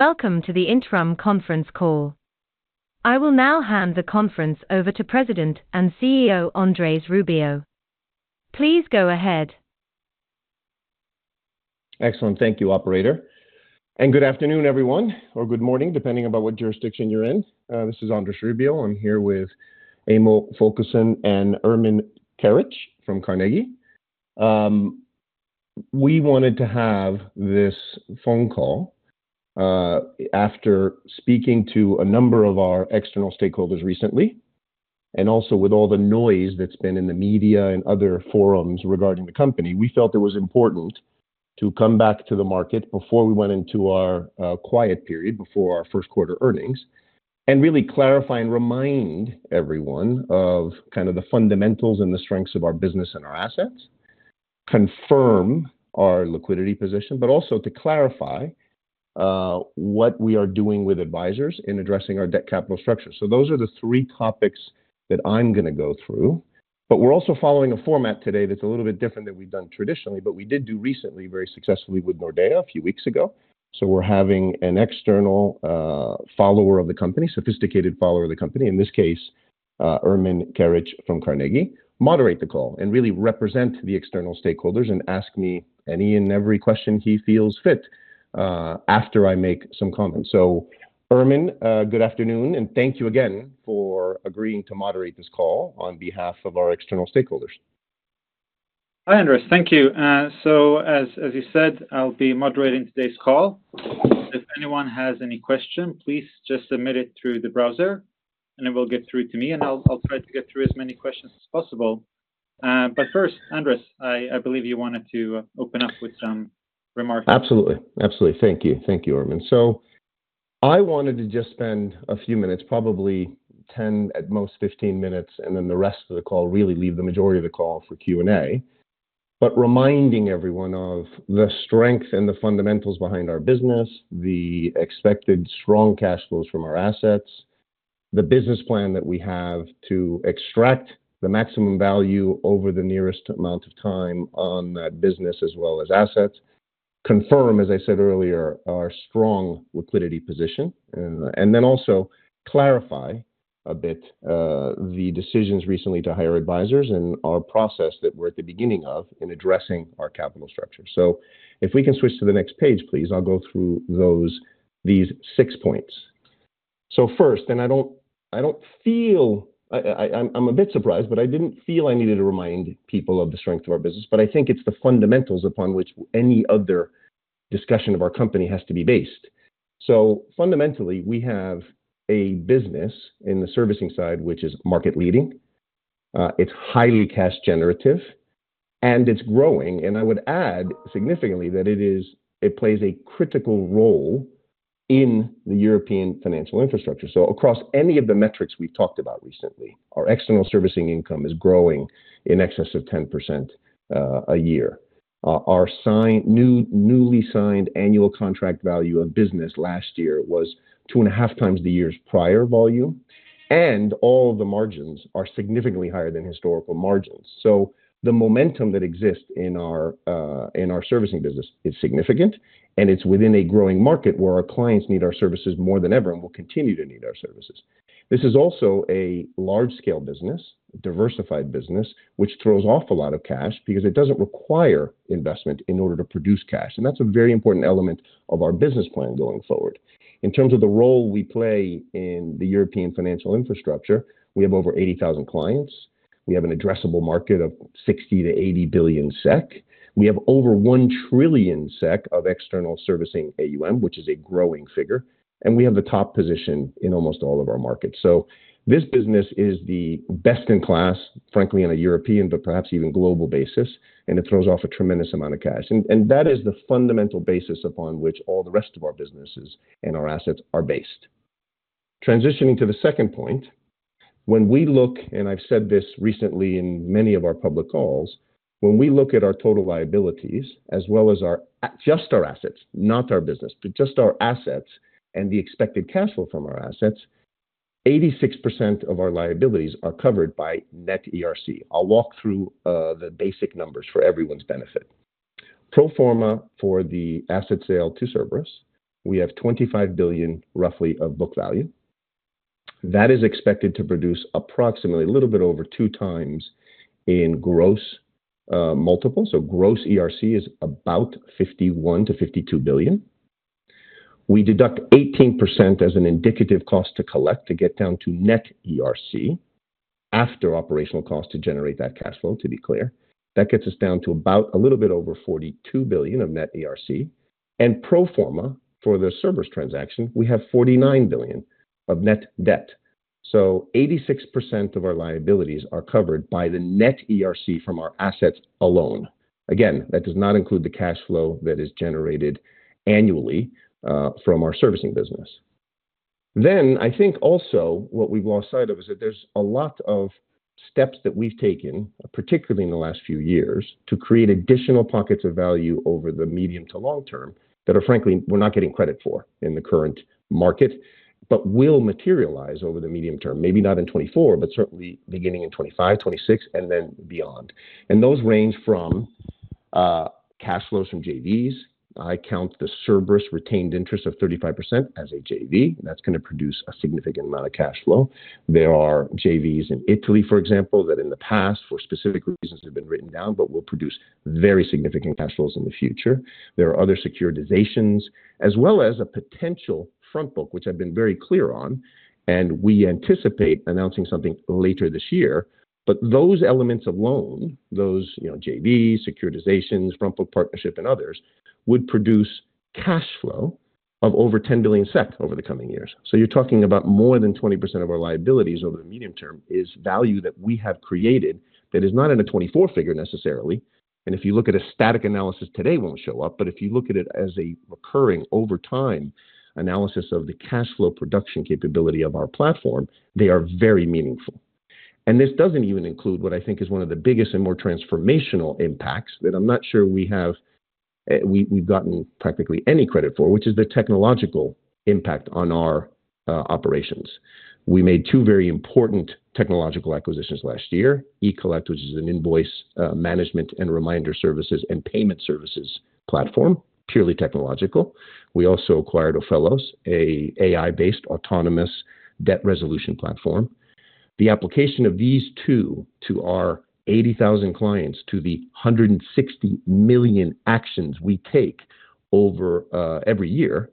Welcome to the Intrum conference call. I will now hand the conference over to President and CEO Andrés Rubio. Please go ahead. Excellent, thank you, Operator. Good afternoon, everyone, or good morning, depending on what jurisdiction you're in. This is Andrés Rubio, I'm here with Emil Folkesson and Ermin Keric from Carnegie. We wanted to have this phone call, after speaking to a number of our external stakeholders recently, and also with all the noise that's been in the media and other forums regarding the company, we felt it was important to come back to the market before we went into our quiet period, before our first quarter earnings, and really clarify and remind everyone of kind of the fundamentals and the strengths of our business and our assets, confirm our liquidity position, but also to clarify what we are doing with advisors in addressing our debt capital structure. So those are the three topics that I'm going to go through, but we're also following a format today that's a little bit different than we've done traditionally, but we did do recently very successfully with Nordea a few weeks ago, so we're having an external, follower of the company, sophisticated follower of the company, in this case, Ermin Keric from Carnegie, moderate the call and really represent the external stakeholders and ask me any and every question he feels fit, after I make some comments. So Ermin, good afternoon, and thank you again for agreeing to moderate this call on behalf of our external stakeholders. Hi Andrés, thank you. As you said, I'll be moderating today's call. If anyone has any question, please just submit it through the browser, and it will get through to me, and I'll try to get through as many questions as possible. But first, Andrés, I believe you wanted to open up with some remarks. Absolutely, absolutely. Thank you, thank you, Ermin. So I wanted to just spend a few minutes, probably 10, at most 15 minutes, and then the rest of the call, really leave the majority of the call for Q&A, but reminding everyone of the strength and the fundamentals behind our business, the expected strong cash flows from our assets, the business plan that we have to extract the maximum value over the nearest amount of time on that business as well as assets, confirm, as I said earlier, our strong liquidity position, and, and then also clarify a bit, the decisions recently to hire advisors and our process that we're at the beginning of in addressing our capital structure. So if we can switch to the next page, please, I'll go through those these 6 points. So first, I don't feel I'm a bit surprised, but I didn't feel I needed to remind people of the strength of our business, but I think it's the fundamentals upon which any other discussion of our company has to be based. So fundamentally, we have a business in the servicing side which is market-leading, it's highly cash-generative, and it's growing, and I would add significantly that it plays a critical role in the European financial infrastructure. So across any of the metrics we've talked about recently, our external servicing income is growing in excess of 10% a year. Our newly signed annual contract value of business last year was 2.5x the year's prior volume, and all of the margins are significantly higher than historical margins. So the momentum that exists in our, in our servicing business is significant, and it's within a growing market where our clients need our services more than ever and will continue to need our services. This is also a large-scale business, diversified business, which throws off a lot of cash because it doesn't require investment in order to produce cash, and that's a very important element of our business plan going forward. In terms of the role we play in the European financial infrastructure, we have over 80,000 clients, we have an addressable market of 60 billion-80 billion SEK, we have over 1 trillion SEK of external servicing AUM, which is a growing figure, and we have the top position in almost all of our markets. So this business is the best in class, frankly, on a European but perhaps even global basis, and it throws off a tremendous amount of cash, and that is the fundamental basis upon which all the rest of our businesses and our assets are based. Transitioning to the second point, when we look and I've said this recently in many of our public calls, when we look at our total liabilities as well as our just our assets, not our business, but just our assets and the expected cash flow from our assets, 86% of our liabilities are covered by net ERC. I'll walk through the basic numbers for everyone's benefit. Pro forma for the asset sale to Cerberus, we have 25 billion roughly of book value. That is expected to produce approximately a little bit over 2x in gross multiple, so gross ERC is about 51 billion to 52 billion. We deduct 18% as an indicative cost to collect to get down to net ERC after operational costs to generate that cash flow, to be clear. That gets us down to about a little bit over 42 billion of net ERC. And pro forma for the Cerberus transaction, we have 49 billion of net debt. So 86% of our liabilities are covered by the net ERC from our assets alone. Again, that does not include the cash flow that is generated annually from our servicing business. Then I think also what we've lost sight of is that there's a lot of steps that we've taken, particularly in the last few years, to create additional pockets of value over the medium to long term that are, frankly, we're not getting credit for in the current market, but will materialize over the medium term, maybe not in 2024, but certainly beginning in 2025, 2026, and then beyond. And those range from, cash flows from JVs. I count the Cerberus retained interest of 35% as a JV. That's going to produce a significant amount of cash flow. There are JVs in Italy, for example, that in the past, for specific reasons, have been written down but will produce very significant cash flows in the future. There are other securitizations, as well as a potential frontbook, which I've been very clear on, and we anticipate announcing something later this year, but those elements of loan, those, you know, JVs, securitizations, frontbook partnership, and others, would produce cash flow of over 10 billion SEK over the coming years. So you're talking about more than 20% of our liabilities over the medium term is value that we have created that is not in a 2024 figure necessarily, and if you look at a static analysis today, it won't show up, but if you look at it as a recurring over time analysis of the cash flow production capability of our platform, they are very meaningful. And this doesn't even include what I think is one of the biggest and more transformational impacts that I'm not sure we've gotten practically any credit for, which is the technological impact on our operations. We made two very important technological acquisitions last year: eCollect, which is an invoice management and reminder services and payment services platform, purely technological. We also acquired Ophelos, an AI-based autonomous debt resolution platform. The application of these two to our 80,000 clients, to the 160 million actions we take over every year,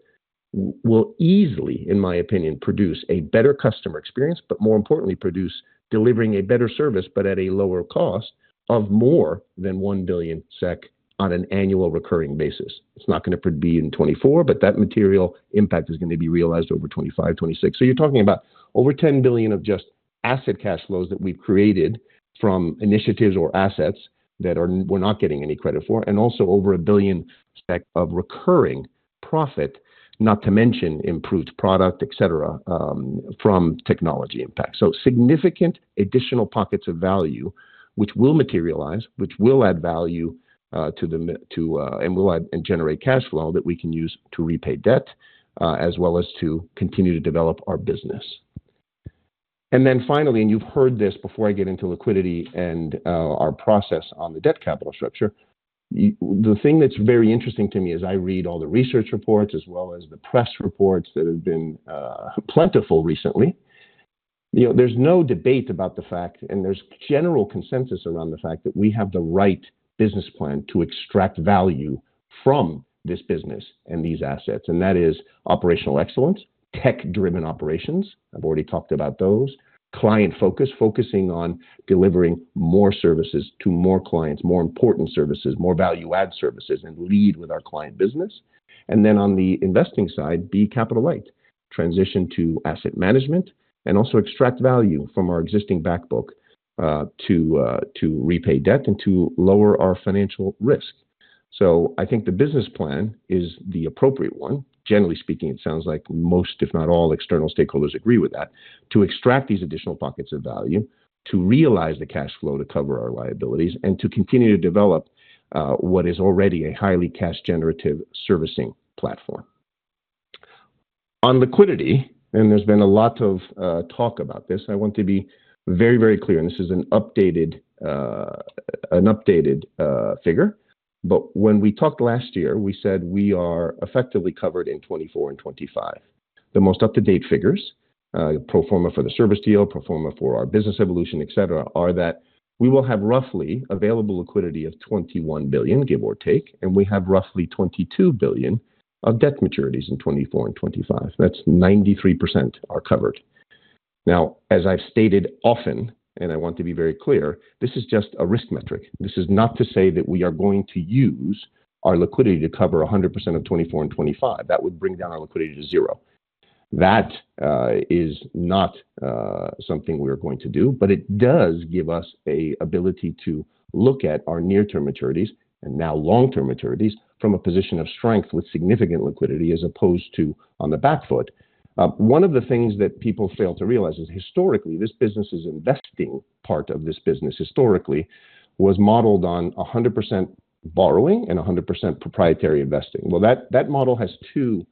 will easily, in my opinion, produce a better customer experience, but more importantly, produce delivering a better service but at a lower cost of more than 1 billion SEK on an annual recurring basis. It's not going to be in 2024, but that material impact is going to be realized over 2025, 2026. So you're talking about over 10 billion of just asset cash flows that we've created from initiatives or assets that we're not getting any credit for, and also over 1 billion of recurring profit, not to mention improved product, etc., from technology impacts. So significant additional pockets of value which will materialize, which will add value to the, and will add and generate cash flow that we can use to repay debt, as well as to continue to develop our business. And then finally, and you've heard this before I get into liquidity and our process on the debt capital structure, the thing that's very interesting to me is I read all the research reports as well as the press reports that have been plentiful recently. You know, there's no debate about the fact, and there's general consensus around the fact that we have the right business plan to extract value from this business and these assets, and that is operational excellence, tech-driven operations I've already talked about, those client focus, focusing on delivering more services to more clients, more important services, more value-add services, and lead with our client business. And then on the investing side, be capital light, transition to asset management, and also extract value from our existing backbook, to repay debt and to lower our financial risk. So I think the business plan is the appropriate one. Generally speaking, it sounds like most, if not all, external stakeholders agree with that, to extract these additional pockets of value, to realize the cash flow to cover our liabilities, and to continue to develop what is already a highly cash-generative servicing platform. On liquidity, and there's been a lot of talk about this, I want to be very, very clear, and this is an updated figure, but when we talked last year, we said we are effectively covered in 2024 and 2025. The most up-to-date figures, pro forma for the Cerberus deal, pro forma for our business evolution, etc., are that we will have roughly available liquidity of 21 billion, give or take, and we have roughly 22 billion of debt maturities in 2024 and 2025. That's 93% are covered. Now, as I've stated often, and I want to be very clear, this is just a risk metric. This is not to say that we are going to use our liquidity to cover 100% of 2024 and 2025. That would bring down our liquidity to zero. That is not something we're going to do, but it does give us an ability to look at our near-term maturities and now long-term maturities from a position of strength with significant liquidity as opposed to on the back foot. One of the things that people fail to realize is historically, this business's investing part of this business historically was modeled on 100% borrowing and 100% proprietary investing. Well, that model has two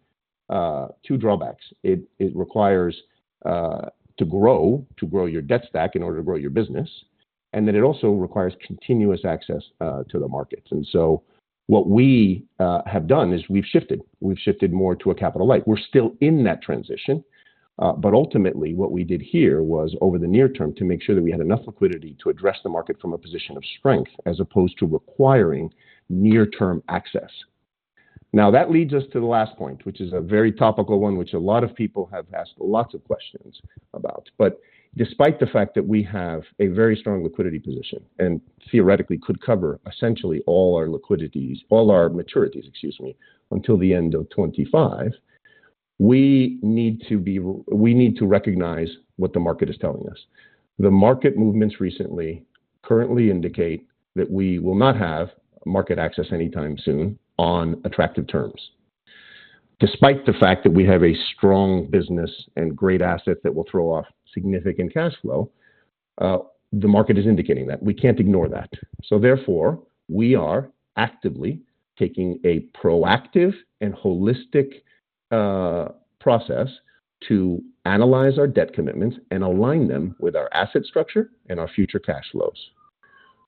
drawbacks. It requires to grow your debt stack in order to grow your business, and then it also requires continuous access to the markets. And so what we have done is we've shifted. We've shifted more to a capital light. We're still in that transition, but ultimately what we did here was, over the near term, to make sure that we had enough liquidity to address the market from a position of strength as opposed to requiring near-term access. Now, that leads us to the last point, which is a very topical one, which a lot of people have asked lots of questions about, but despite the fact that we have a very strong liquidity position and theoretically could cover essentially all our liquidities, all our maturities, excuse me, until the end of 2025, we need to recognize what the market is telling us. The market movements recently currently indicate that we will not have market access anytime soon on attractive terms. Despite the fact that we have a strong business and great assets that will throw off significant cash flow, the market is indicating that. We can't ignore that. So therefore, we are actively taking a proactive and holistic process to analyze our debt commitments and align them with our asset structure and our future cash flows.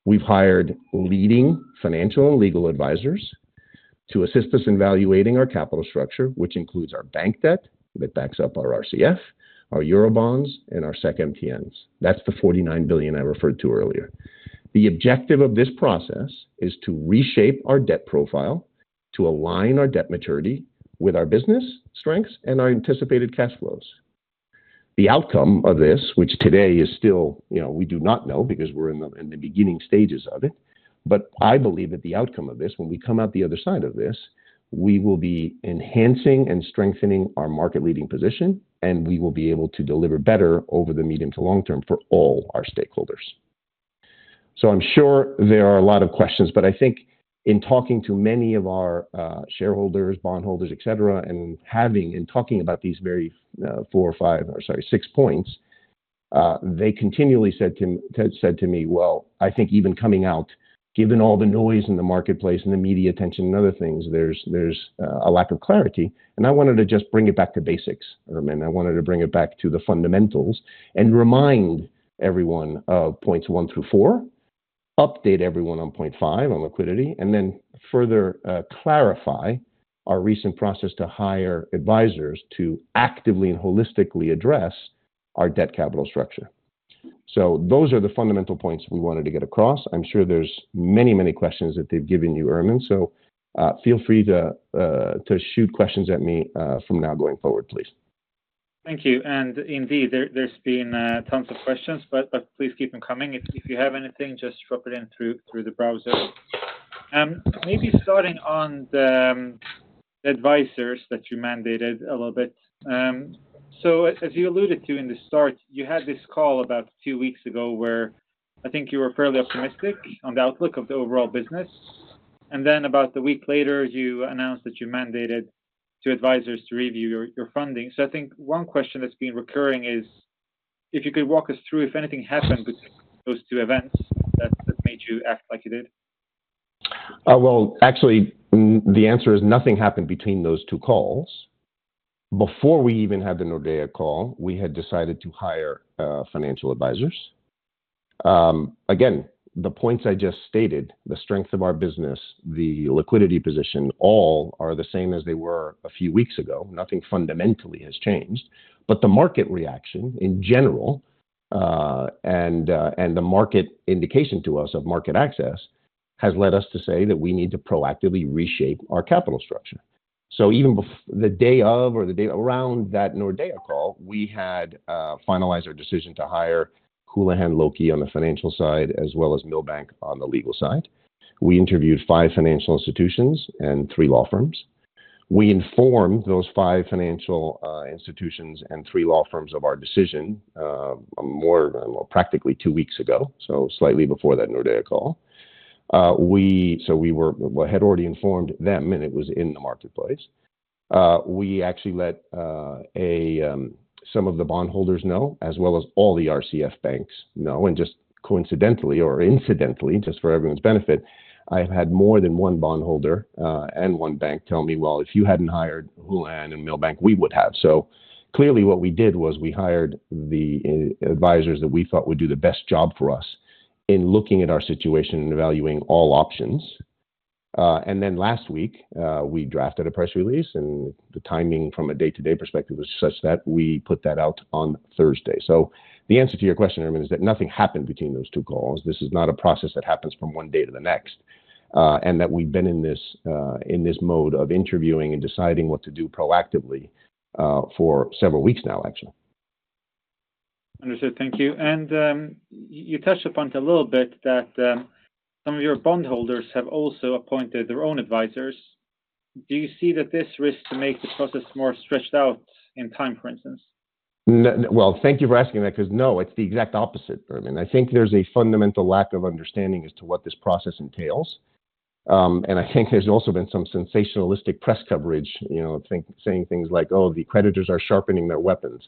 We've hired leading financial and legal advisors to assist us in evaluating our capital structure, which includes our bank debt that backs up our RCF, our eurobonds, and our SEK MTNs. That's the 49 billion I referred to earlier. The objective of this process is to reshape our debt profile, to align our debt maturity with our business strengths and our anticipated cash flows. The outcome of this, which today is still, you know, we do not know because we're in the beginning stages of it, but I believe that the outcome of this, when we come out the other side of this, we will be enhancing and strengthening our market-leading position, and we will be able to deliver better over the medium to long term for all our stakeholders. So I'm sure there are a lot of questions, but I think in talking to many of our shareholders, bondholders, etc., and having and talking about these very 4 or 5 or, sorry, 6 points, they continually said to me, "Well, I think even coming out, given all the noise in the marketplace and the media attention and other things, there's a lack of clarity," and I wanted to just bring it back to basics, Ermin. I wanted to bring it back to the fundamentals and remind everyone of points one through four, update everyone on point five on liquidity, and then further clarify our recent process to hire advisors to actively and holistically address our debt capital structure. Those are the fundamental points we wanted to get across. I'm sure there's many, many questions that they've given you, Ermin, so feel free to shoot questions at me from now going forward, please. Thank you. Indeed, there's been tons of questions, but please keep them coming. If you have anything, just drop it in through the browser. Maybe starting on the advisors that you mandated a little bit. So as you alluded to in the start, you had this call about a few weeks ago where I think you were fairly optimistic on the outlook of the overall business, and then about a week later, you announced that you mandated two advisors to review your funding. So I think one question that's been recurring is if you could walk us through if anything happened between those two events that made you act like you did. Well, actually, the answer is nothing happened between those two calls. Before we even had the Nordea call, we had decided to hire financial advisors. Again, the points I just stated, the strength of our business, the liquidity position, all are the same as they were a few weeks ago. Nothing fundamentally has changed. But the market reaction in general, and the market indication to us of market access has led us to say that we need to proactively reshape our capital structure. So even before the day of or the day around that Nordea call, we had finalize our decision to hire Houlihan Lokey on the financial side as well as Milbank on the legal side. We interviewed five financial institutions and three law firms. We informed those five financial institutions and three law firms of our decision, more practically two weeks ago, so slightly before that Nordea call. So we had already informed them, and it was in the marketplace. We actually let some of the bondholders know, as well as all the RCF banks know, and just coincidentally or incidentally, just for everyone's benefit, I've had more than one bondholder, and one bank tell me, "Well, if you hadn't hired Houlihan and Milbank, we would have." So clearly what we did was we hired the advisors that we thought would do the best job for us in looking at our situation and evaluating all options. And then last week, we drafted a press release, and the timing from a day-to-day perspective was such that we put that out on Thursday. The answer to your question, Ermin, is that nothing happened between those two calls. This is not a process that happens from one day to the next, and that we've been in this, in this mode of interviewing and deciding what to do proactively, for several weeks now, actually. Understood. Thank you. You touched upon it a little bit, that some of your bondholders have also appointed their own advisors. Do you see that this risks to make the process more stretched out in time, for instance? Well, thank you for asking that because, no, it's the exact opposite, Ermin. I think there's a fundamental lack of understanding as to what this process entails. I think there's also been some sensationalistic press coverage, you know, saying things like, "Oh, the creditors are sharpening their weapons."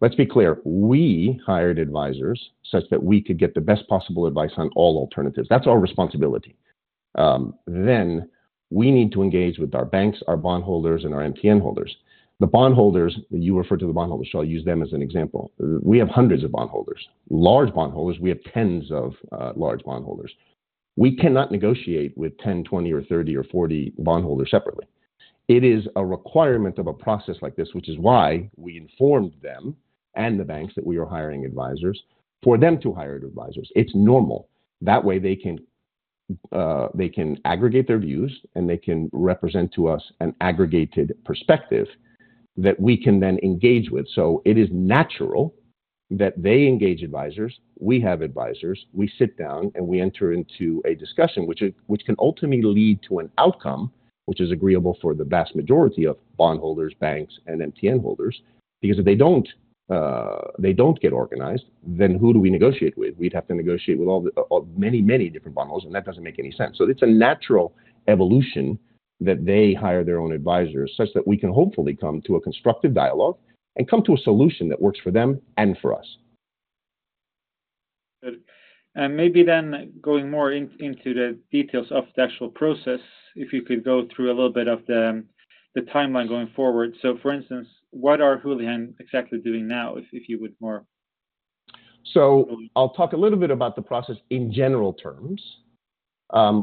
Let's be clear. We hired advisors such that we could get the best possible advice on all alternatives. That's our responsibility. We need to engage with our banks, our bondholders, and our MTN holders. The bondholders that you refer to the bondholders, so I'll use them as an example. We have hundreds of bondholders, large bondholders. We have tens of, large bondholders. We cannot negotiate with 10, 20, or 30 or 40 bondholders separately. It is a requirement of a process like this, which is why we informed them and the banks that we are hiring advisors for them to hire advisors. It's normal. That way, they can, they can aggregate their views, and they can represent to us an aggregated perspective that we can then engage with. So it is natural that they engage advisors, we have advisors, we sit down, and we enter into a discussion which can ultimately lead to an outcome which is agreeable for the vast majority of bondholders, banks, and MTN holders, because if they don't, they don't get organized, then who do we negotiate with? We'd have to negotiate with all the many, many different bondholders, and that doesn't make any sense. It's a natural evolution that they hire their own advisors such that we can hopefully come to a constructive dialogue and come to a solution that works for them and for us. Good. And maybe then going more into the details of the actual process, if you could go through a little bit of the timeline going forward. So for instance, what are Houlihan exactly doing now, if you would more? So I'll talk a little bit about the process in general terms.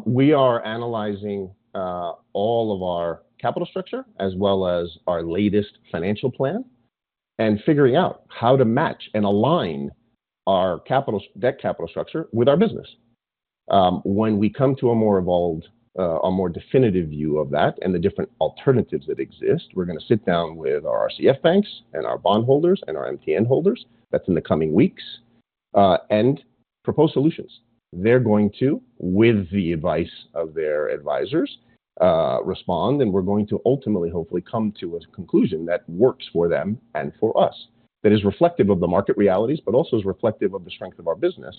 We are analyzing all of our capital structure as well as our latest financial plan and figuring out how to match and align our capital debt capital structure with our business. When we come to a more evolved, a more definitive view of that and the different alternatives that exist, we're going to sit down with our RCF banks and our bondholders and our MTN holders. That's in the coming weeks, and propose solutions. They're going to, with the advice of their advisors, respond, and we're going to ultimately, hopefully, come to a conclusion that works for them and for us, that is reflective of the market realities but also is reflective of the strength of our business,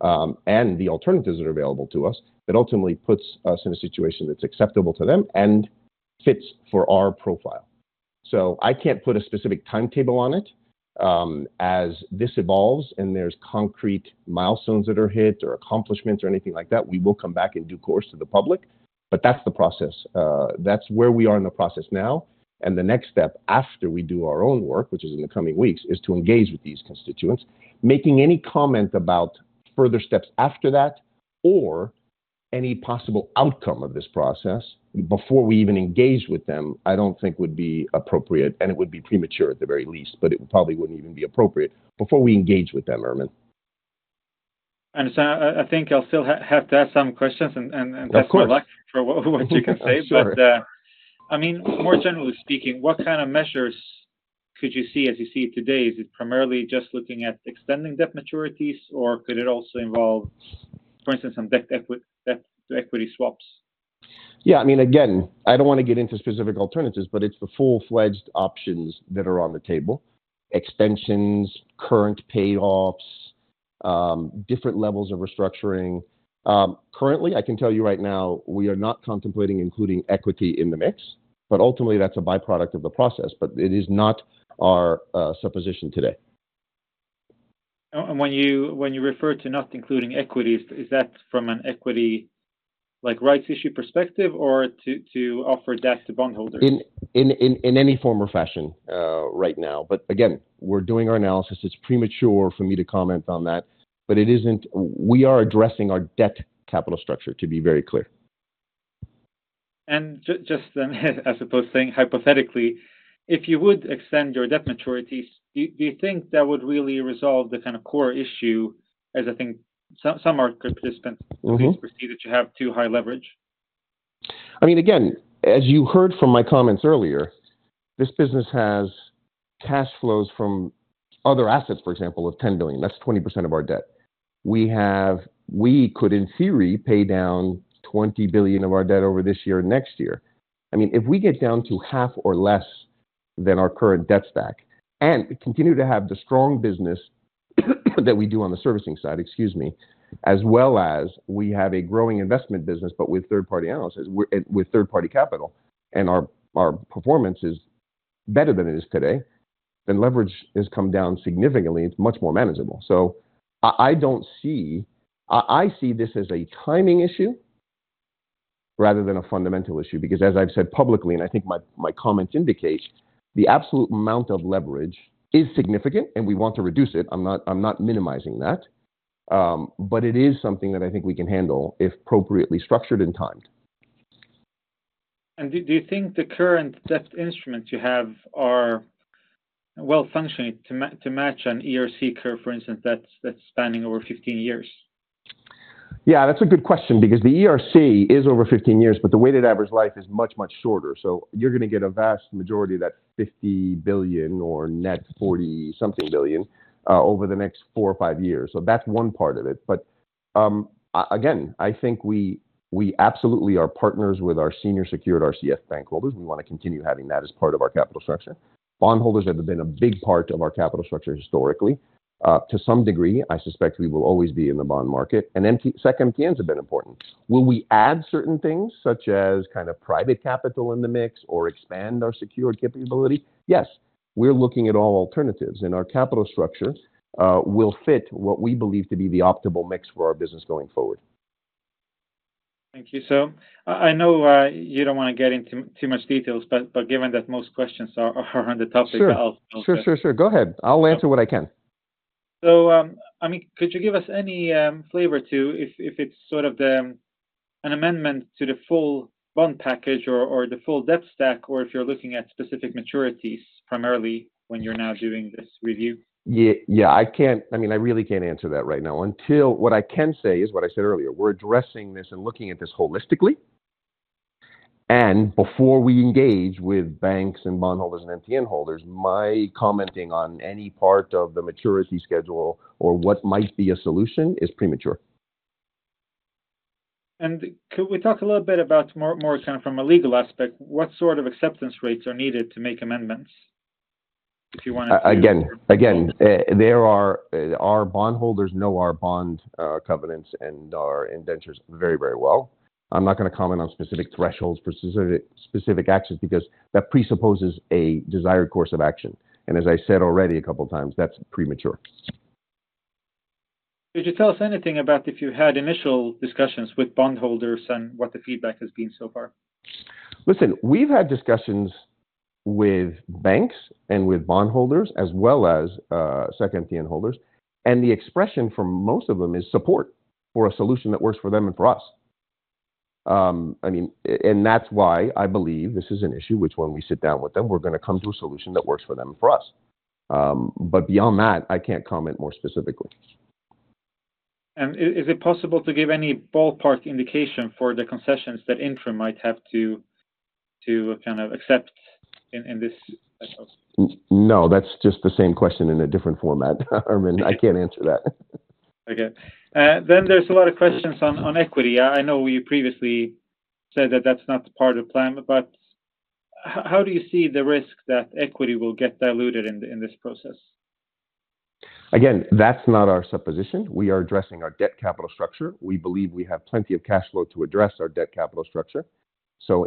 and the alternatives that are available to us, that ultimately puts us in a situation that's acceptable to them and fits for our profile. So I can't put a specific timetable on it. As this evolves and there's concrete milestones that are hit or accomplishments or anything like that, we will come back in due course to the public, but that's the process. That's where we are in the process now. The next step after we do our own work, which is in the coming weeks, is to engage with these constituents. Making any comment about further steps after that or any possible outcome of this process before we even engage with them, I don't think would be appropriate, and it would be premature at the very least, but it probably wouldn't even be appropriate before we engage with them, Ermin. Understood. I think I'll still have to ask some questions and test my luck for what you can say, but, I mean, more generally speaking, what kind of measures could you see as you see it today? Is it primarily just looking at extending debt maturities, or could it also involve, for instance, some debt to equity swaps? Yeah. I mean, again, I don't want to get into specific alternatives, but it's the full-fledged options that are on the table: extensions, current payoffs, different levels of restructuring. Currently, I can tell you right now, we are not contemplating including equity in the mix, but ultimately that's a byproduct of the process, but it is not our supposition today. When you refer to not including equities, is that from an equity, like, rights-issue perspective or to offer debt to bondholders? In any form or fashion, right now. But again, we're doing our analysis. It's premature for me to comment on that, but it isn't we are addressing our debt capital structure, to be very clear. Just then, as opposed to saying hypothetically, if you would extend your debt maturities, do you think that would really resolve the kind of core issue as I think some of our participants perceive that you have too high leverage? I mean, again, as you heard from my comments earlier, this business has cash flows from other assets, for example, of 10 billion. That's 20% of our debt. We could, in theory, pay down 20 billion of our debt over this year and next year. I mean, if we get down to half or less than our current debt stack and continue to have the strong business that we do on the servicing side, excuse me, as well as we have a growing investment business but with third-party analysis with third-party capital and our performance is better than it is today, then leverage has come down significantly. It's much more manageable. So I don't see this as a timing issue rather than a fundamental issue because, as I've said publicly, and I think my comments indicate, the absolute amount of leverage is significant, and we want to reduce it. I'm not minimizing that, but it is something that I think we can handle if appropriately structured and timed. Do you think the current debt instruments you have are well-functioning to match an ERC curve, for instance, that's spanning over 15 years? Yeah, that's a good question because the ERC is over 15 years, but the weighted average life is much, much shorter. So you're going to get a vast majority of that 50 billion or net 40-something billion, over the next four or five years. So that's one part of it. But, again, I think we absolutely are partners with our senior secured RCF bankholders. We want to continue having that as part of our capital structure. Bondholders have been a big part of our capital structure historically. To some degree, I suspect we will always be in the bond market. And SEK MTNs have been important. Will we add certain things such as kind of private capital in the mix or expand our secured capability? Yes. We're looking at all alternatives, and our capital structure will fit what we believe to be the optimal mix for our business going forward. Thank you, sir. I know, you don't want to get into too much details, but given that most questions are on the topic, I'll just. Sure, sure, sure, sure. Go ahead. I'll answer what I can. So, I mean, could you give us any flavor to if it's sort of an amendment to the full bond package or the full debt stack or if you're looking at specific maturities primarily when you're now doing this review? Yeah, yeah, I can't, I mean, I really can't answer that right now until what I can say is what I said earlier. We're addressing this and looking at this holistically. And before we engage with banks and bondholders and MTN holders, my commenting on any part of the maturity schedule or what might be a solution is premature. Could we talk a little bit about more kind of from a legal aspect, what sort of acceptance rates are needed to make amendments, if you wanted to? Again, our bondholders know our bond covenants and our indentures very, very well. I'm not going to comment on specific thresholds for specific actions because that presupposes a desired course of action. As I said already a couple of times, that's premature. Could you tell us anything about if you had initial discussions with bondholders and what the feedback has been so far? Listen, we've had discussions with banks and with bondholders as well as SEK MTN holders, and the expression from most of them is support for a solution that works for them and for us. I mean, and that's why I believe this is an issue which when we sit down with them, we're going to come to a solution that works for them and for us. But beyond that, I can't comment more specifically. Is it possible to give any ballpark indication for the concessions that Intrum might have to kind of accept in this? No, that's just the same question in a different format, Ermin. I can't answer that. Okay. Then there's a lot of questions on equity. I know you previously said that that's not part of the plan, but how do you see the risk that equity will get diluted in this process? Again, that's not our supposition. We are addressing our debt capital structure. We believe we have plenty of cash flow to address our debt capital structure. So,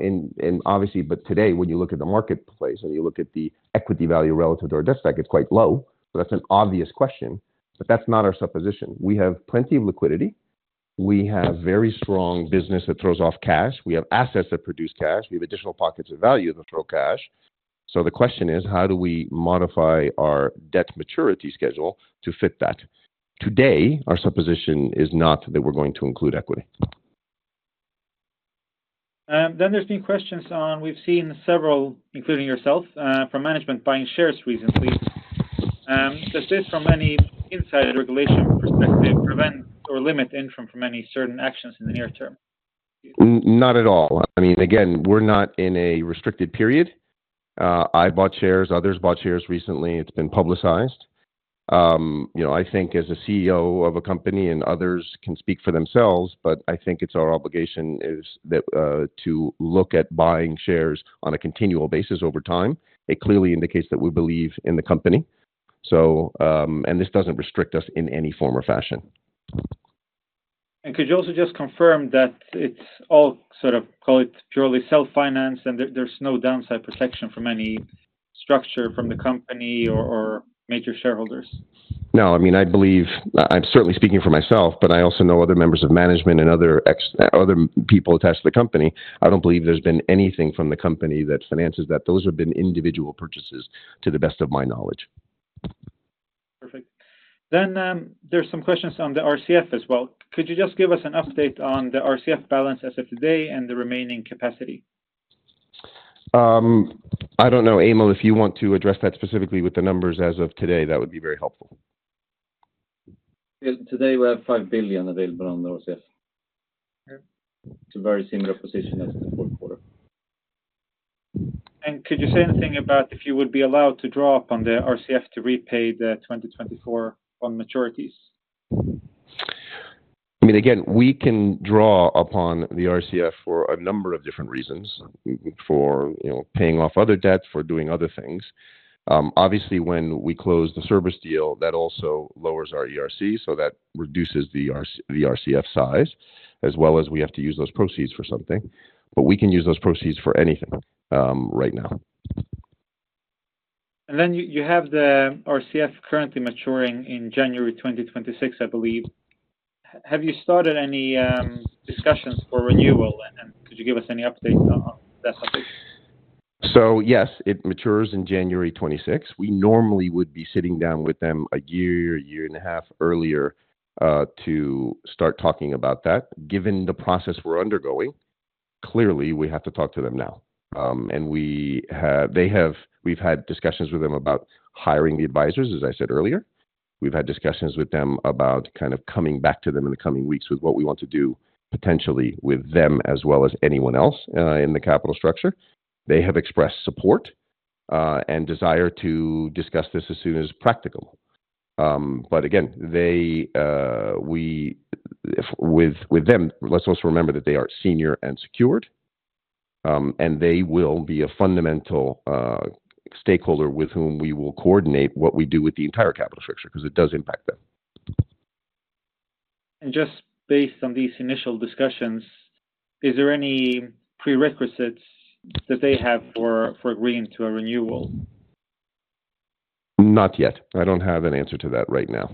obviously, but today, when you look at the marketplace and you look at the equity value relative to our debt stack, it's quite low. So that's an obvious question, but that's not our supposition. We have plenty of liquidity. We have very strong business that throws off cash. We have assets that produce cash. We have additional pockets of value that throw cash. So the question is, how do we modify our debt maturity schedule to fit that? Today, our supposition is not that we're going to include equity. Then there's been questions on we've seen several, including yourself, from management buying shares recently. Does this from any insider regulation perspective prevent or limit Intrum from any certain actions in the near term? Not at all. I mean, again, we're not in a restricted period. I bought shares. Others bought shares recently. It's been publicized. You know, I think as a CEO of a company and others can speak for themselves, but I think it's our obligation is that to look at buying shares on a continual basis over time. It clearly indicates that we believe in the company. So, and this doesn't restrict us in any form or fashion. Could you also just confirm that it's all sort of call it purely self-financed and there's no downside protection from any structure from the company or major shareholders? No, I mean, I believe I'm certainly speaking for myself, but I also know other members of management and other other people attached to the company. I don't believe there's been anything from the company that finances that. Those have been individual purchases to the best of my knowledge. Perfect. Then there's some questions on the RCF as well. Could you just give us an update on the RCF balance as of today and the remaining capacity? I don't know, Emil, if you want to address that specifically with the numbers as of today, that would be very helpful. Today, we have 5 billion available on the RCF. It's a very similar position as the fourth quarter. Could you say anything about if you would be allowed to draw upon the RCF to repay the 2024 bond maturities? I mean, again, we can draw upon the RCF for a number of different reasons, for, you know, paying off other debts, for doing other things. Obviously, when we close the Cerberus deal, that also lowers our ERC, so that reduces the RCF size, as well as we have to use those proceeds for something. But we can use those proceeds for anything right now. And then you have the RCF currently maturing in January 2026, I believe. Have you started any discussions for renewal, and could you give us any update on that topic? So yes, it matures in January 2026. We normally would be sitting down with them a year, a year and a half earlier to start talking about that. Given the process we're undergoing, clearly, we have to talk to them now. And we've had discussions with them about hiring the advisors, as I said earlier. We've had discussions with them about kind of coming back to them in the coming weeks with what we want to do potentially with them as well as anyone else in the capital structure. They have expressed support and desire to discuss this as soon as practical. But again, with them, let's also remember that they are senior and secured, and they will be a fundamental stakeholder with whom we will coordinate what we do with the entire capital structure because it does impact them. Just based on these initial discussions, is there any prerequisites that they have for agreeing to a renewal? Not yet. I don't have an answer to that right now.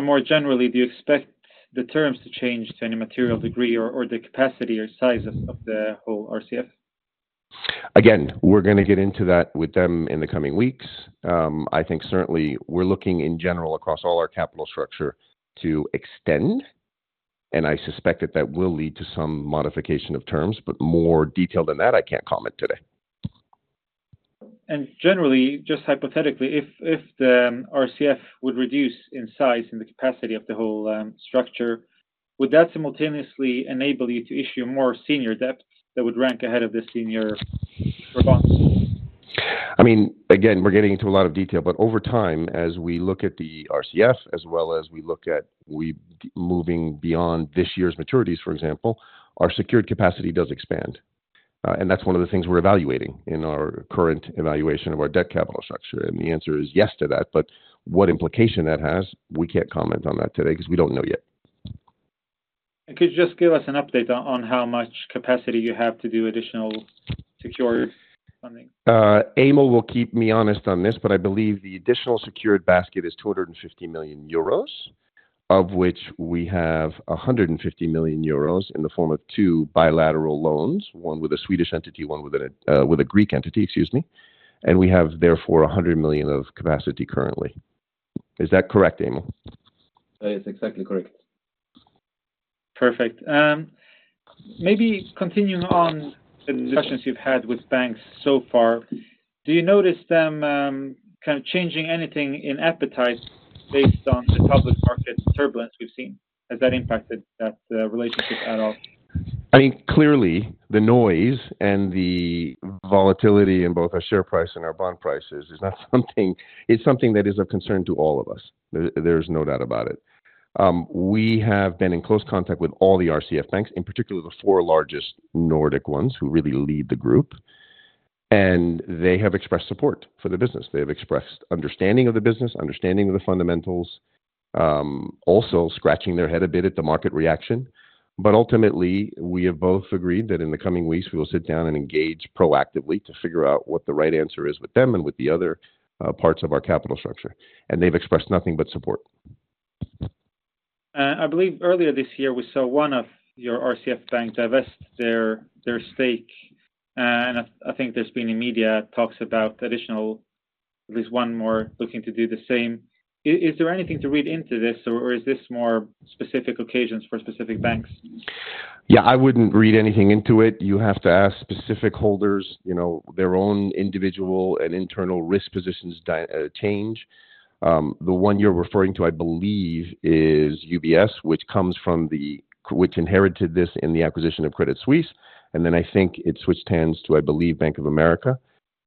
More generally, do you expect the terms to change to any material degree or the capacity or size of the whole RCF? Again, we're going to get into that with them in the coming weeks. I think certainly we're looking in general across all our capital structure to extend. I suspect that that will lead to some modification of terms, but more detailed than that, I can't comment today. Generally, just hypothetically, if the RCF would reduce in size and the capacity of the whole structure, would that simultaneously enable you to issue more senior debt that would rank ahead of the senior bonds? I mean, again, we're getting into a lot of detail, but over time, as we look at the RCF as well as we look at we moving beyond this year's maturities, for example, our secured capacity does expand. And that's one of the things we're evaluating in our current evaluation of our debt capital structure. And the answer is yes to that, but what implication that has, we can't comment on that today because we don't know yet. Could you just give us an update on how much capacity you have to do additional secured funding? Emil will keep me honest on this, but I believe the additional secured basket is 250 million euros, of which we have 150 million euros in the form of two bilateral loans, one with a Swedish entity, one with a Greek entity, excuse me. We have therefore 100 million of capacity currently. Is that correct, Emil? It's exactly correct. Perfect. Maybe continuing on the discussions you've had with banks so far, do you notice them kind of changing anything in appetite based on the public market turbulence we've seen? Has that impacted that relationship at all? I mean, clearly, the noise and the volatility in both our share price and our bond prices is not something, it's something that is of concern to all of us. There's no doubt about it. We have been in close contact with all the RCF banks, in particular the four largest Nordic ones who really lead the group. They have expressed support for the business. They have expressed understanding of the business, understanding of the fundamentals, also scratching their head a bit at the market reaction. Ultimately, we have both agreed that in the coming weeks, we will sit down and engage proactively to figure out what the right answer is with them and with the other parts of our capital structure. They've expressed nothing but support. I believe earlier this year, we saw one of your RCF banks divest their stake. I think there's been immediate talks about additional at least one more looking to do the same. Is there anything to read into this, or is this more specific occasions for specific banks? Yeah, I wouldn't read anything into it. You have to ask specific holders, you know, their own individual and internal risk positions change. The one you're referring to, I believe, is UBS, which inherited this in the acquisition of Credit Suisse. And then I think it switched hands to, I believe, Bank of America.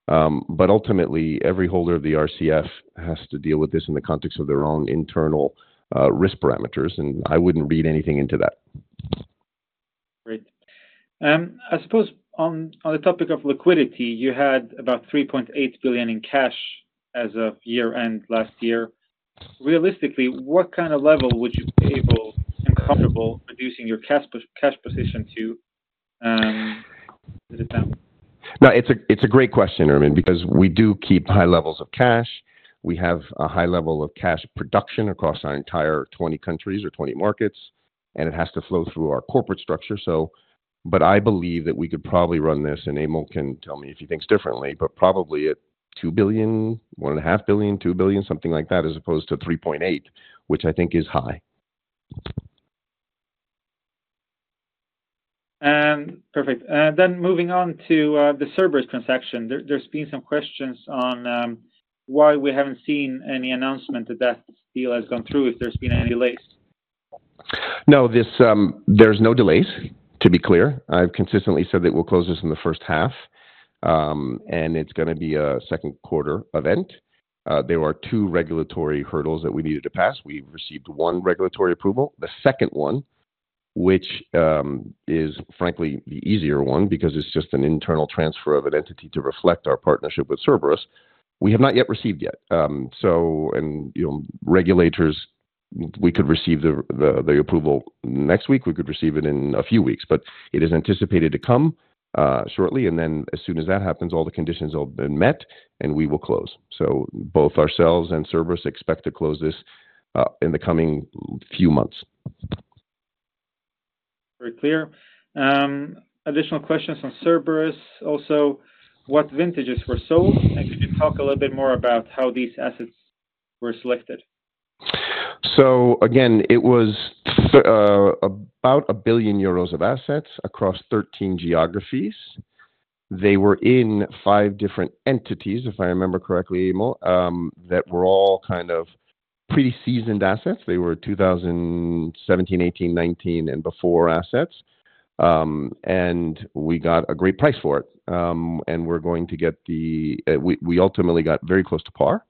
But ultimately, every holder of the RCF has to deal with this in the context of their own internal risk parameters. And I wouldn't read anything into that. Great. I suppose on the topic of liquidity, you had about 3.8 billion in cash as of year-end last year. Realistically, what kind of level would you be able and comfortable reducing your cash position to? No, it's a great question, Ermin, because we do keep high levels of cash. We have a high level of cash production across our entire 20 countries or 20 markets. It has to flow through our corporate structure. So but I believe that we could probably run this, and Emil can tell me if he thinks differently, but probably at 2 billion, 1.5 billion, 2 billion, something like that, as opposed to 3.8 billion, which I think is high. Perfect. Then moving on to the Cerberus transaction, there's been some questions on why we haven't seen any announcement that that deal has gone through if there's been any delays. No, there's no delays, to be clear. I've consistently said that we'll close this in the first half. It's going to be a second quarter event. There are two regulatory hurdles that we needed to pass. We've received one regulatory approval. The second one, which is frankly the easier one because it's just an internal transfer of an entity to reflect our partnership with Cerberus, we have not yet received yet. So, and you know, regulators, we could receive the approval next week. We could receive it in a few weeks, but it is anticipated to come shortly. Then as soon as that happens, all the conditions have been met, and we will close. So both ourselves and Cerberus expect to close this in the coming few months. Very clear. Additional questions on Cerberus also, what vintages were sold? And could you talk a little bit more about how these assets were selected? So again, it was about 1 billion euros of assets across 13 geographies. They were in five different entities, if I remember correctly, Emil, that were all kind of pretty seasoned assets. They were 2017, 2018, 2019, and before assets. And we got a great price for it. And we ultimately got very close to par.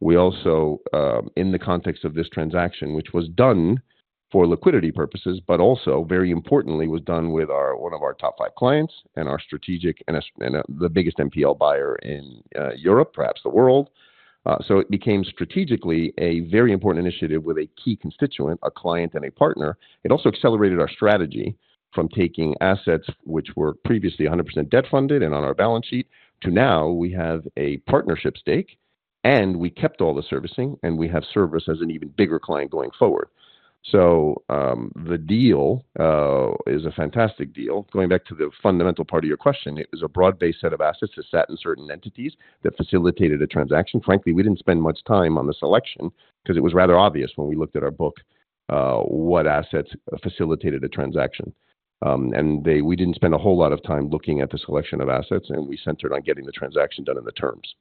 We also, in the context of this transaction, which was done for liquidity purposes, but also very importantly was done with one of our top five clients and our strategic and the biggest NPL buyer in Europe, perhaps the world. So it became strategically a very important initiative with a key constituent, a client and a partner. It also accelerated our strategy from taking assets which were previously 100% debt funded and on our balance sheet, to now we have a partnership stake. And we kept all the servicing, and we have Cerberus as an even bigger client going forward. So the deal is a fantastic deal. Going back to the fundamental part of your question, it was a broad-based set of assets that sat in certain entities that facilitated a transaction. Frankly, we didn't spend much time on the selection because it was rather obvious when we looked at our book, what assets facilitated a transaction. And we didn't spend a whole lot of time looking at the selection of assets, and we centered on getting the transaction done in the terms.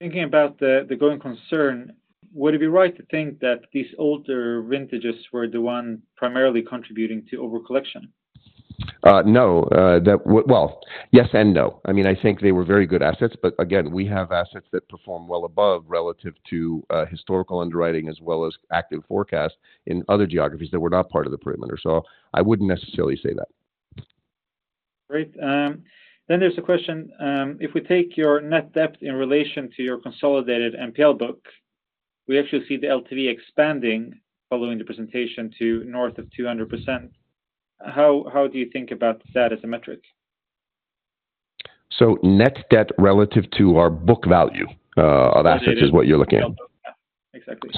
Thinking about the growing concern, would it be right to think that these older vintages were the one primarily contributing to over-collection? No, well, yes and no. I mean, I think they were very good assets. But again, we have assets that perform well above relative to historical underwriting as well as active forecast in other geographies that were not part of the perimeter, so I wouldn't necessarily say that. Great. Then there's a question. If we take your net debt in relation to your consolidated NPL book, we actually see the LTV expanding following the presentation to north of 200%. How do you think about that as a metric? Net debt relative to our book value of assets is what you're looking at. Yeah, exactly.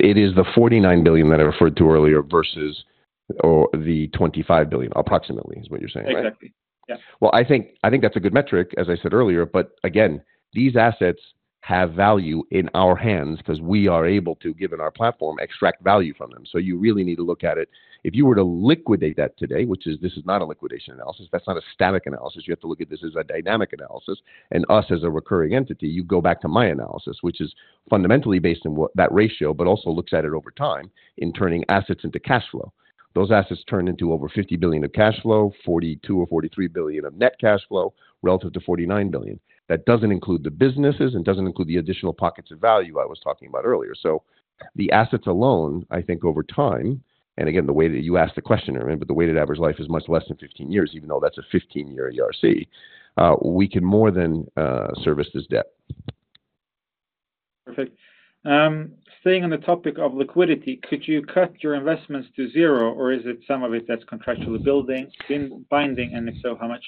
It is the 49 billion that I referred to earlier versus the 25 billion, approximately, is what you're saying, right? Exactly. Yeah. Well, I think that's a good metric, as I said earlier. But again, these assets have value in our hands because we are able to, given our platform, extract value from them. So you really need to look at it. If you were to liquidate that today, which is this is not a liquidation analysis. That's not a static analysis. You have to look at this as a dynamic analysis. And us as a recurring entity, you go back to my analysis, which is fundamentally based on that ratio, but also looks at it over time in turning assets into cash flow. Those assets turn into over 50 billion of cash flow, 42 billion or 43 billion of net cash flow relative to 49 billion. That doesn't include the businesses and doesn't include the additional pockets of value I was talking about earlier. So the assets alone, I think over time, and again, the way that you asked the question, Ermin, but the weighted average life is much less than 15 years, even though that's a 15-year ERC, we can more than service this debt. Perfect. Staying on the topic of liquidity, could you cut your investments to zero, or is it some of it that's contractually building, binding, and if so, how much?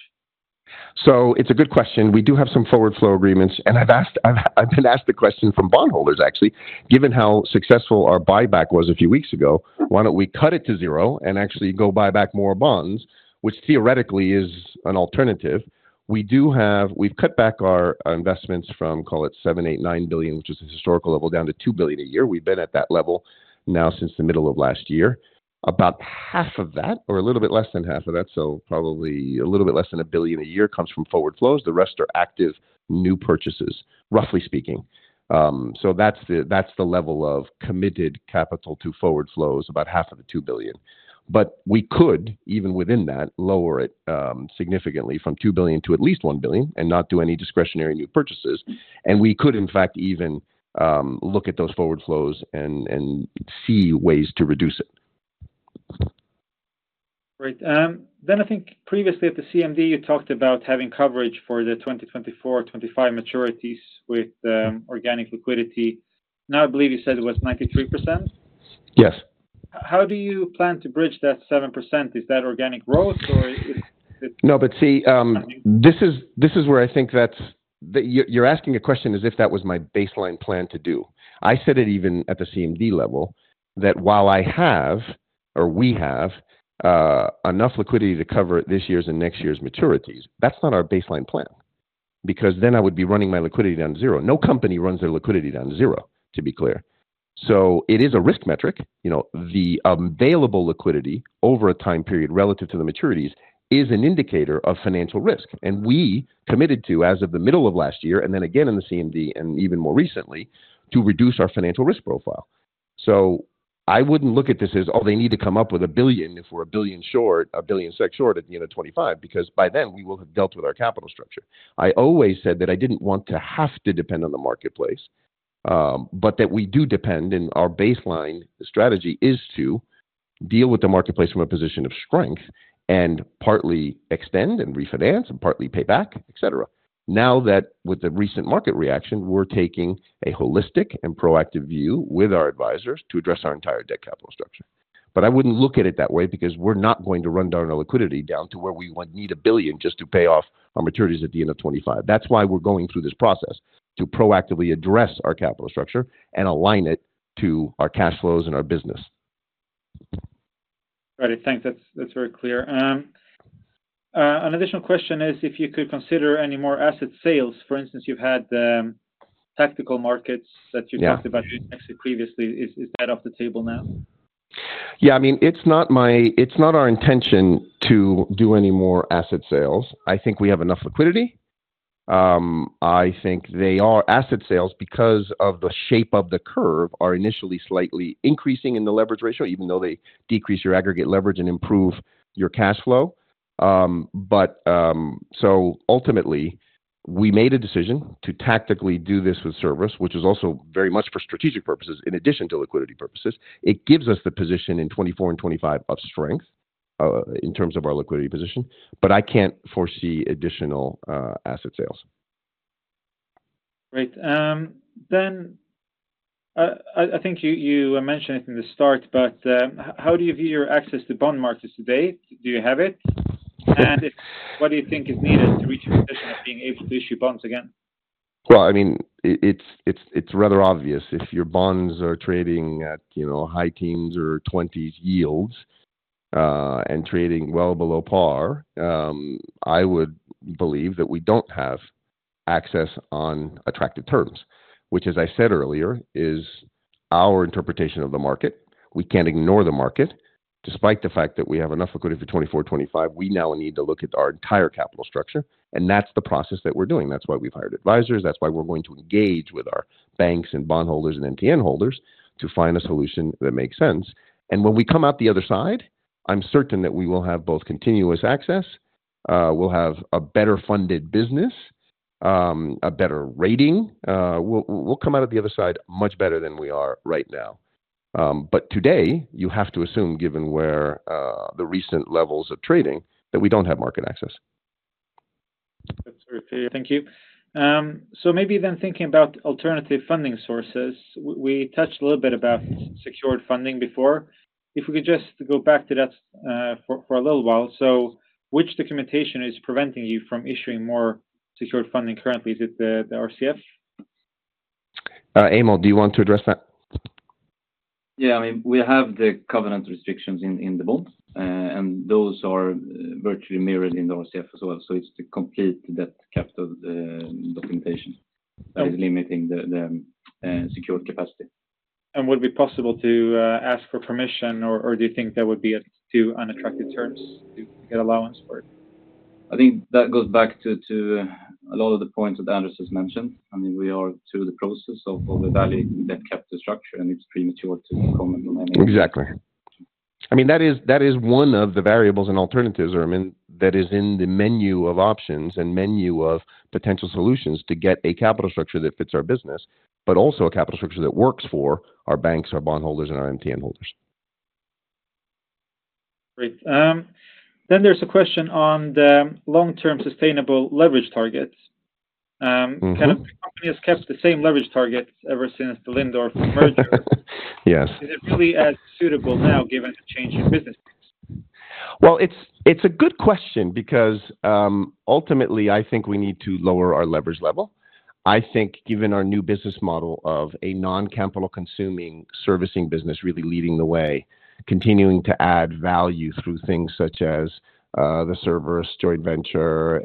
So it's a good question. We do have some forward flow agreements. And I've been asked the question from bondholders, actually, given how successful our buyback was a few weeks ago, why don't we cut it to zero and actually go buy back more bonds, which theoretically is an alternative. We've cut back our investments from, call it, 7 billion-9 billion, which is a historical level, down to 2 billion a year. We've been at that level now since the middle of last year. About half of that, or a little bit less than half of that, so probably a little bit less than 1 billion a year comes from forward flows. The rest are active new purchases, roughly speaking. So that's the level of committed capital to forward flows, about half of the 2 billion. We could, even within that, lower it significantly from 2 billion to at least 1 billion and not do any discretionary new purchases. We could, in fact, even look at those forward flows and see ways to reduce it. Great. Then I think previously at the CMD, you talked about having coverage for the 2024-2025 maturities with organic liquidity. Now I believe you said it was 93%. Yes. How do you plan to bridge that 7%? Is that organic growth, or is it? No, but see, this is where I think that you're asking a question as if that was my baseline plan to do. I said it even at the CMD level, that while I have, or we have, enough liquidity to cover this year's and next year's maturities, that's not our baseline plan. Because then I would be running my liquidity down to zero. No company runs their liquidity down to zero, to be clear. So it is a risk metric. The available liquidity over a time period relative to the maturities is an indicator of financial risk. And we committed to, as of the middle of last year, and then again in the CMD, and even more recently, to reduce our financial risk profile. So I wouldn't look at this as, oh, they need to come up with a billion if we're 1 billion short, EUR 1 billion short at 2025, because by then we will have dealt with our capital structure. I always said that I didn't want to have to depend on the marketplace, but that we do depend and our baseline strategy is to deal with the marketplace from a position of strength, and partly extend and refinance and partly pay back, etc. Now that with the recent market reaction, we're taking a holistic and proactive view with our advisors to address our entire debt capital structure. But I wouldn't look at it that way because we're not going to run down our liquidity down to where we would need a billion just to pay off our maturities at the end of 2025. That's why we're going through this process, to proactively address our capital structure and align it to our cash flows and our business. Got it. Thanks. That's very clear. An additional question is if you could consider any more asset sales. For instance, you've had the tactical markets that you talked about previously. Is that off the table now? Yeah, I mean, it's not our intention to do any more asset sales. I think we have enough liquidity. I think they are asset sales because of the shape of the curve are initially slightly increasing in the leverage ratio, even though they decrease your aggregate leverage and improve your cash flow. But so ultimately, we made a decision to tactically do this with Cerberus, which is also very much for strategic purposes in addition to liquidity purposes. It gives us the position in 2024 and 2025 of strength, in terms of our liquidity position. But I can't foresee additional asset sales. Great. Then I think you mentioned it in the start, but how do you view your access to bond markets today? Do you have it? And what do you think is needed to reach a position of being able to issue bonds again? Well, I mean, it's rather obvious. If your bonds are trading at high teens or 20s yields, and trading well below par, I would believe that we don't have access on attractive terms, which as I said earlier, is our interpretation of the market. We can't ignore the market. Despite the fact that we have enough liquidity for 2024-2025, we now need to look at our entire capital structure. And that's the process that we're doing. That's why we've hired advisors. That's why we're going to engage with our banks and bondholders and MTN holders, to find a solution that makes sense. And when we come out the other side, I'm certain that we will have both continuous access, we'll have a better funded business, a better rating. We'll come out of the other side much better than we are right now. But today, you have to assume, given the recent levels of trading, that we don't have market access. That's very clear. Thank you. So maybe then thinking about alternative funding sources, we touched a little bit about secured funding before. If we could just go back to that for a little while. So which documentation is preventing you from issuing more secured funding currently? Is it the RCF? Emil, do you want to address that? Yeah, I mean, we have the covenant restrictions in the bonds. Those are virtually mirrored in the RCF as well. It's the complete debt capital documentation that is limiting the secured capacity. Would it be possible to ask for permission, or do you think that would be too unattractive terms to get allowance for it? I think that goes back to a lot of the points that Andrés has mentioned. I mean, we are through the process of evaluating debt capital structure and it's premature to comment on any. Exactly. I mean, that is one of the variables and alternatives, Ermin, that is in the menu of options and menu of potential solutions to get a capital structure that fits our business, but also a capital structure that works for our banks, our bondholders, and our MTN holders. Great. Then there's a question on the long-term sustainable leverage targets. Kind of the company has kept the same leverage targets ever since the Lindorff merger. Yes. Is it really as suitable now given the change in business? Well, it's a good question because ultimately, I think we need to lower our leverage level. I think given our new business model of a non-capital-consuming servicing business really leading the way, continuing to add value through things such as the Cerberus joint venture,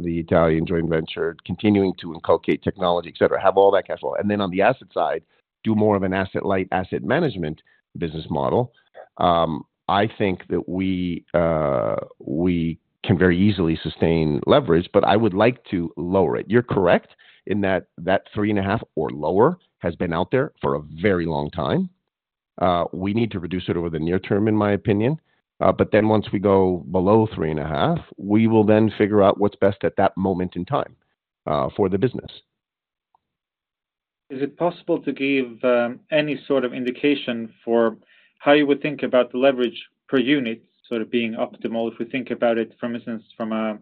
the Italian joint venture, continuing to inculcate technology, etc., have all that cash flow. And then on the asset side, do more of an asset-light asset management business model. I think that we can very easily sustain leverage, but I would like to lower it. You're correct in that that 3.5 or lower has been out there for a very long time. We need to reduce it over the near term, in my opinion. But then once we go below 3.5, we will then figure out what's best at that moment in time for the business. Is it possible to give any sort of indication for how you would think about the leverage per unit sort of being optimal if we think about it, for instance, from an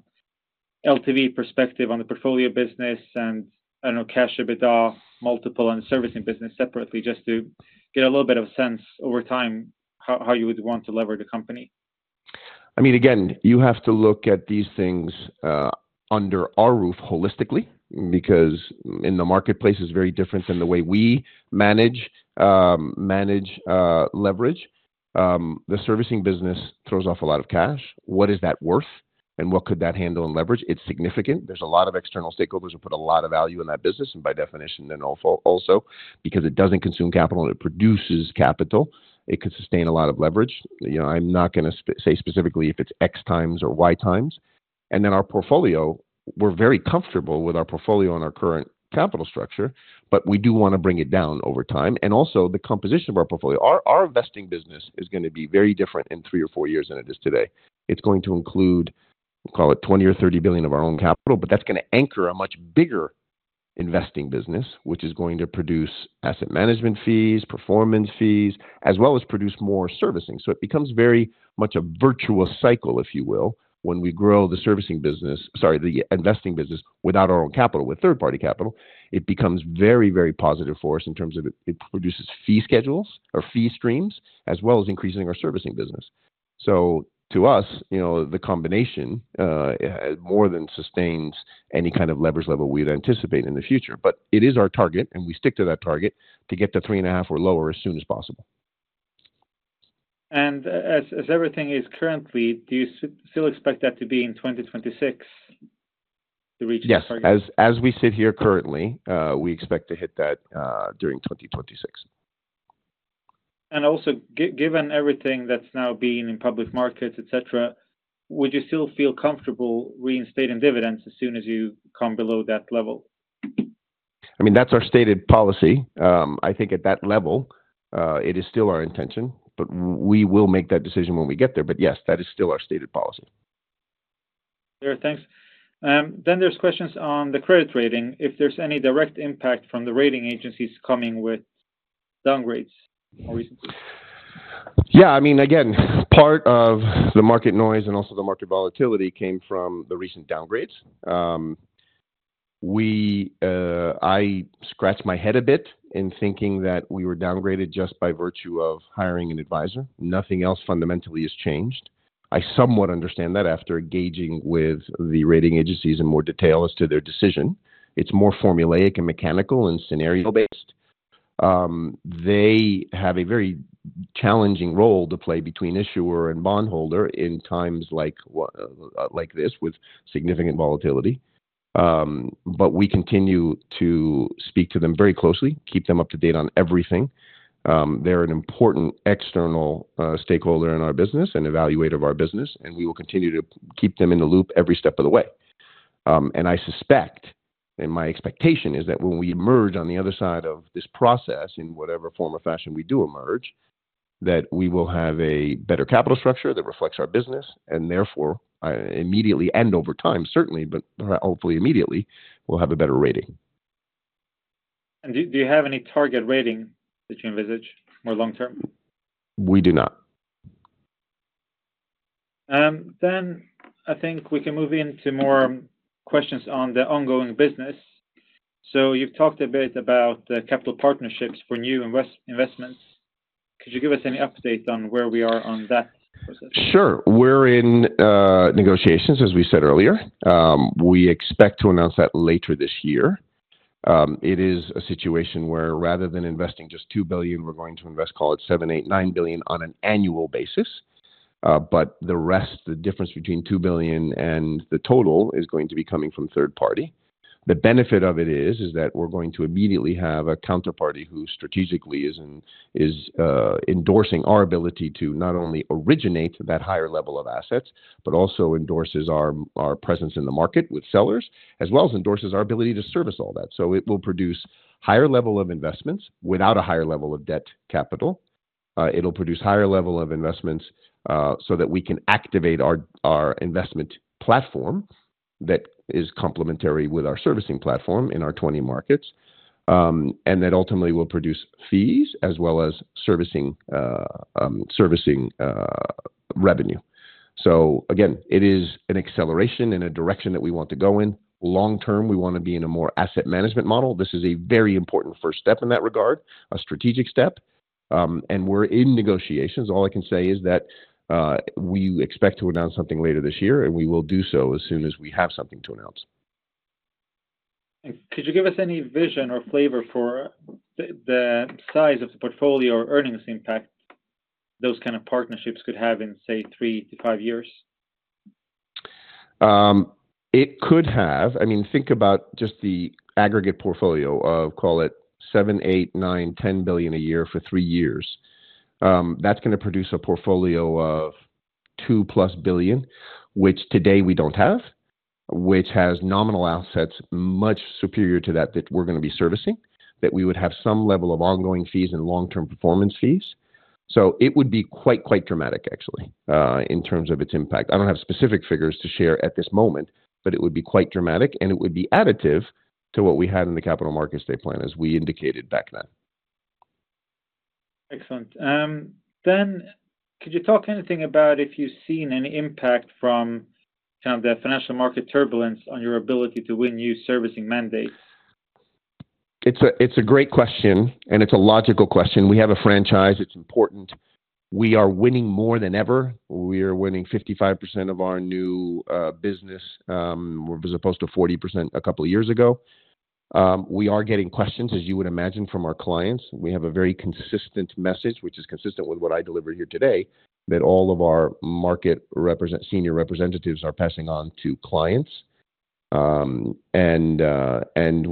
LTV perspective on the portfolio business and, I don't know, cash EBITDA multiple and the servicing business separately, just to get a little bit of a sense over time how you would want to leverage the company? I mean, again, you have to look at these things under our roof holistically, because in the marketplace is very different than the way we manage leverage. The servicing business throws off a lot of cash. What is that worth? And what could that handle and leverage? It's significant. There's a lot of external stakeholders who put a lot of value in that business, and by definition, then also, because it doesn't consume capital and it produces capital, it could sustain a lot of leverage. I'm not going to say specifically if it's X times or Y times. And then our portfolio, we're very comfortable with our portfolio and our current capital structure. But we do want to bring it down over time. And also the composition of our portfolio, our investing business is going to be very different in three or four years than it is today. It's going to include, call it 20 billion or 30 billion of our own capital, but that's going to anchor a much bigger investing business, which is going to produce asset management fees, performance fees, as well as produce more servicing. So it becomes very much a virtuous cycle, if you will, when we grow the servicing business, sorry, the investing business without our own capital with third-party capital, it becomes very, very positive for us in terms of it produces fee schedules or fee streams, as well as increasing our servicing business. So to us, the combination more than sustains any kind of leverage level we'd anticipate in the future. But it is our target, and we stick to that target, to get to 3.5 or lower as soon as possible. As everything is currently, do you still expect that to be in 2026 to reach this target? Yes, as we sit here currently, we expect to hit that during 2026. Also given everything that's now being in public markets, etc., would you still feel comfortable reinstating dividends as soon as you come below that level? I mean, that's our stated policy. I think at that level, it is still our intention. But we will make that decision when we get there. But yes, that is still our stated policy. Sure. Thanks. Then there's questions on the credit rating. If there's any direct impact from the rating agencies coming with downgrades more recently? Yeah, I mean, again, part of the market noise and also the market volatility came from the recent downgrades. I scratched my head a bit in thinking that we were downgraded just by virtue of hiring an advisor. Nothing else fundamentally has changed. I somewhat understand that, after engaging with the rating agencies in more detail as to their decision. It's more formulaic and mechanical and scenario-based. They have a very challenging role to play between issuer and bondholder in times like this with significant volatility. But we continue to speak to them very closely, keep them up to date on everything. They're an important external stakeholder in our business and evaluator of our business. And we will continue to keep them in the loop every step of the way. I suspect, and my expectation is that when we emerge on the other side of this process in whatever form or fashion we do emerge, that we will have a better capital structure that reflects our business, and therefore immediately and over time, certainly, but hopefully immediately, we'll have a better rating. Do you have any target rating that you envisage more long-term? We do not. I think we can move into more questions on the ongoing business. You've talked a bit about the capital partnerships for new investments. Could you give us any update on where we are on that process? Sure. We're in negotiations, as we said earlier. We expect to announce that later this year. It is a situation where rather than investing just 2 billion, we're going to invest, call it 7 billion, 8 billion, 9 billion on an annual basis. But the rest, the difference between 2 billion and the total is going to be coming from third-party. The benefit of it is that we're going to immediately have a counterparty who strategically is endorsing our ability to not only originate that higher level of assets, but also endorses our presence in the market with sellers, as well as endorses our ability to service all that. So it will produce a higher level of investments without a higher level of debt capital. It'll produce a higher level of investments so that we can activate our investment platform that is complementary with our servicing platform in our 20 markets. That ultimately will produce fees as well as servicing revenue. So again, it is an acceleration in a direction that we want to go in. Long-term, we want to be in a more asset management model. This is a very important first step in that regard, a strategic step. And we're in negotiations. All I can say is that we expect to announce something later this year, and we will do so as soon as we have something to announce. Could you give us any vision or flavor for the size of the portfolio or earnings impact those kinds of partnerships could have in, say, three to five years? It could have. I mean, think about just the aggregate portfolio of, call it 7 billion-10 billion a year for 3 years. That's going to produce a portfolio of 2+ billion, which today we don't have, which has nominal assets much superior to that that we're going to be servicing, that we would have some level of ongoing fees and long-term performance fees. So it would be quite, quite dramatic, actually, in terms of its impact. I don't have specific figures to share at this moment. But it would be quite dramatic, and it would be additive to what we had in the Capital Markets Day plan as we indicated back then. Excellent. Then could you talk anything about if you've seen any impact from kind of the financial market turbulence on your ability to win new servicing mandates? It's a great question. It's a logical question. We have a franchise. It's important. We are winning more than ever. We are winning 55% of our new business as opposed to 40% a couple of years ago. We are getting questions, as you would imagine, from our clients. We have a very consistent message, which is consistent with what I delivered here today, that all of our senior representatives are passing on to clients.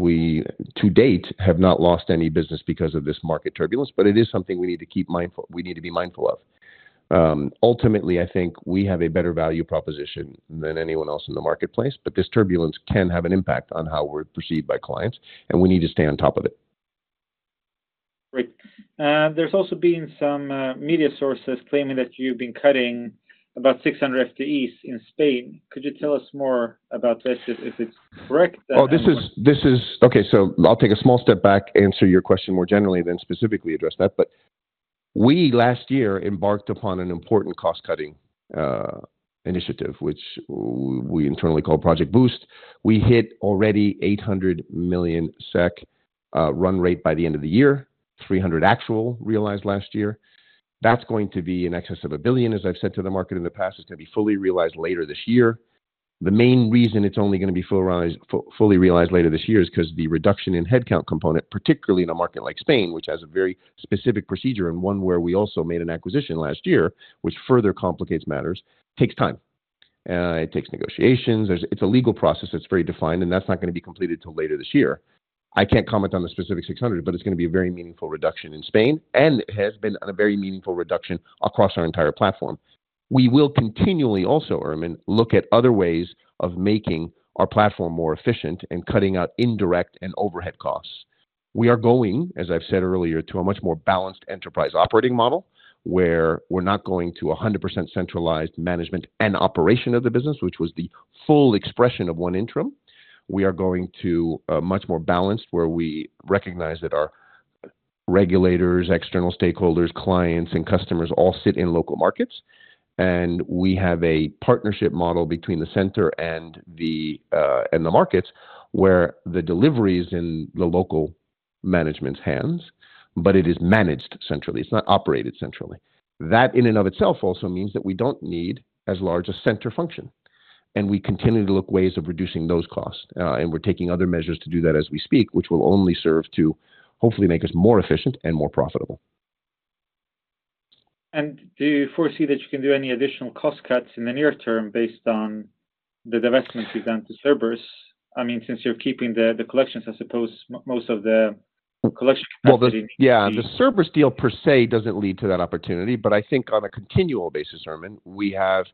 We to date have not lost any business because of this market turbulence, but it is something we need to keep mindful, we need to be mindful of. Ultimately, I think we have a better value proposition than anyone else in the marketplace. This turbulence can have an impact on how we're perceived by clients. We need to stay on top of it. Great. There's also been some media sources claiming that you've been cutting about 600 FTEs in Spain. Could you tell us more about this? Is it correct? Oh, this is okay, so I'll take a small step back, answer your question more generally than specifically address that. But we last year embarked upon an important cost-cutting initiative, which we internally call Project Boost. We hit already 800 million SEK run rate by the end of the year, 300 million actual realized last year. That's going to be in excess of 1 billion, as I've said to the market in the past, is going to be fully realized later this year. The main reason it's only going to be fully realized later this year is because the reduction in headcount component, particularly in a market like Spain, which has a very specific procedure and one where we also made an acquisition last year, which further complicates matters, takes time. It takes negotiations. It's a legal process that's very defined, and that's not going to be completed till later this year. I can't comment on the specific 600, but it's going to be a very meaningful reduction in Spain, and it has been a very meaningful reduction across our entire platform. We will continually also, Ermin, look at other ways of making our platform more efficient and cutting out indirect and overhead costs. We are going, as I've said earlier, to a much more balanced enterprise operating model, where we're not going to 100% centralized management and operation of the business, which was the full expression of ONE Intrum. We are going to a much more balanced where we recognize that our regulators, external stakeholders, clients, and customers all sit in local markets. We have a partnership model between the center and the markets, where the delivery is in the local management's hands. But it is managed centrally, it's not operated centrally. That in and of itself also means that we don't need as large a center function. We continue to look at ways of reducing those costs. We're taking other measures to do that as we speak, which will only serve to hopefully make us more efficient and more profitable. Do you foresee that you can do any additional cost cuts in the near term based on the investments you've done to Cerberus? I mean, since you're keeping the collections, I suppose most of the collection. Well, yeah, the Cerberus deal per se doesn't lead to that opportunity. But I think on a continual basis, Ermin, we have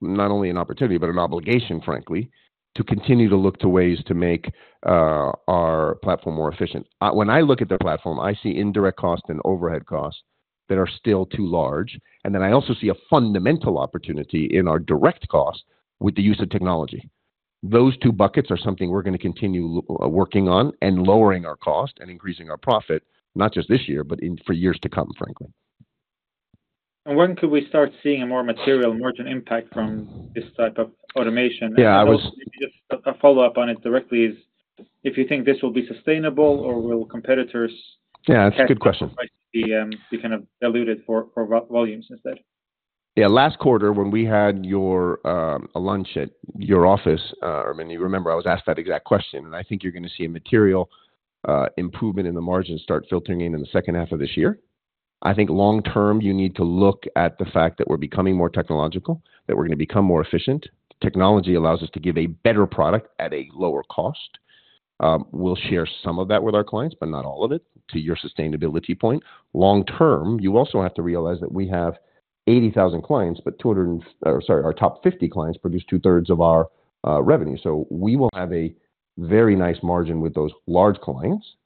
not only an opportunity, but an obligation, frankly, to continue to look to ways to make our platform more efficient. When I look at the platform, I see indirect costs and overhead costs that are still too large. And then I also see a fundamental opportunity in our direct costs with the use of technology. Those two buckets are something we're going to continue working on and lowering our cost and increasing our profit, not just this year, but for years to come, frankly. When could we start seeing a more material margin impact from this type of automation? Yeah, I was. Just a follow-up on it directly is if you think this will be sustainable, or will competitors? Yeah, that's a good question. Be kind of diluted for volumes instead? Yeah, last quarter, when we had your lunch at your office, I mean, you remember I was asked that exact question. And I think you're going to see a material improvement in the margins start filtering in in the second half of this year. I think long-term, you need to look at the fact that we're becoming more technological, that we're going to become more efficient. Technology allows us to give a better product at a lower cost. We'll share some of that with our clients, but not all of it to your sustainability point. Long-term, you also have to realize that we have 80,000 clients, but 200 or sorry, our top 50 clients produce 2/3 of our revenue. So we will have a very nice margin with those large clients.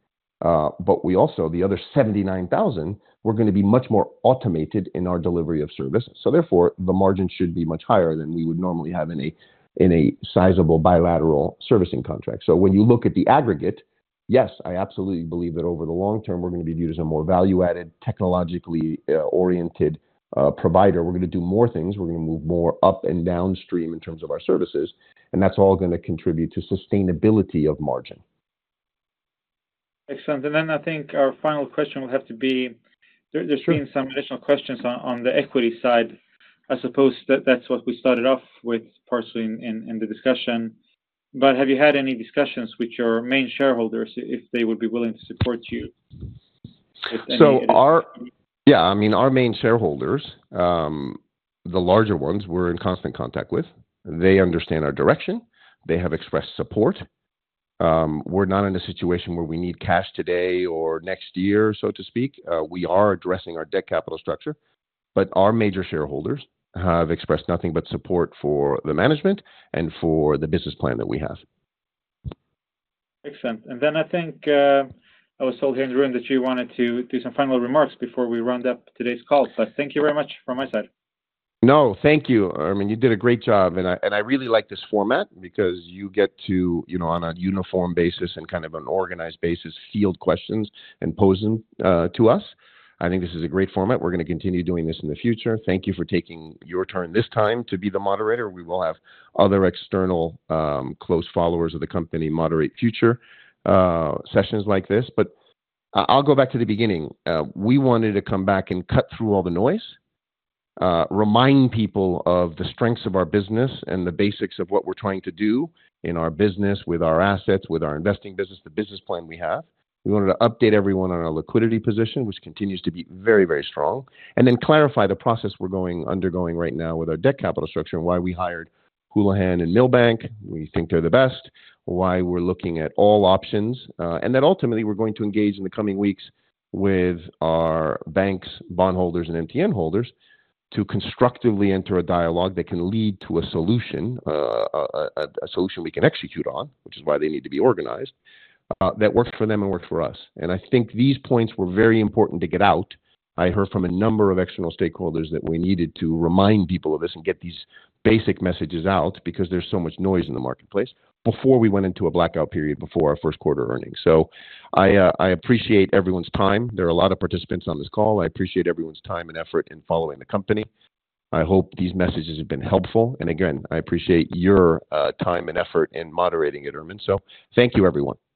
But we also the other 79,000, we're going to be much more automated in our delivery of service. Therefore, the margin should be much higher than we would normally have in a sizable bilateral servicing contract. When you look at the aggregate, yes, I absolutely believe that over the long term, we're going to be viewed as a more value-added, technologically oriented provider, we're going to do more things, we're going to move more up and downstream in terms of our services. That's all going to contribute to sustainability of margin. Excellent. Then I think our final question will have to be, there's been some additional questions on the equity side. I suppose that's what we started off with partially in the discussion. But have you had any discussions with your main shareholders if they would be willing to support you? So, yeah, I mean, our main shareholders, the larger ones we're in constant contact with, they understand our direction, they have expressed support. We're not in a situation where we need cash today or next year, so to speak. We are addressing our debt capital structure. But our major shareholders have expressed nothing but support for the management and for the business plan that we have. Excellent. And then I think I was told here in the room that you wanted to do some final remarks before we round up today's call. But thank you very much from my side. No, thank you. Ermin, you did a great job. I really like this format, because you get to, on a uniform basis and kind of an organized basis, field questions and pose them to us. I think this is a great format. We're going to continue doing this in the future. Thank you for taking your turn this time to be the moderator. We will have other external close followers of the company moderate future sessions like this. I'll go back to the beginning. We wanted to come back and cut through all the noise, remind people of the strengths of our business and the basics of what we're trying to do in our business with our assets, with our investing business, the business plan we have. We wanted to update everyone on our liquidity position, which continues to be very, very strong, and then clarify the process we're undergoing right now with our debt capital structure and why we hired Houlihan and Milbank, we think they're the best, why we're looking at all options. And that ultimately, we're going to engage in the coming weeks with our banks, bondholders, and MTN holders, to constructively enter a dialogue that can lead to a solution, a solution we can execute on, which is why they need to be organized, that works for them and works for us. And I think these points were very important to get out. I heard from a number of external stakeholders that we needed to remind people of this and get these basic messages out, because there's so much noise in the marketplace, before we went into a blackout period before our first quarter earnings. So I appreciate everyone's time. There are a lot of participants on this call. I appreciate everyone's time and effort in following the company. I hope these messages have been helpful. And again, I appreciate your time and effort in moderating it, Ermin. So thank you, everyone.